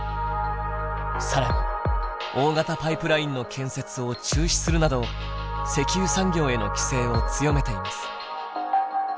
更に大型パイプラインの建設を中止するなど石油産業への規制を強めています。